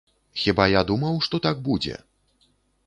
Хіба я думаў, што так будзе?